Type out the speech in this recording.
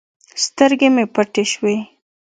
سترګې مې پټې سوې.